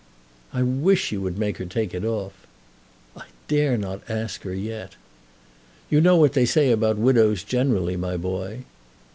"I wish you would make her take it off." "I dare not ask her yet." "You know what they say about widows generally, my boy."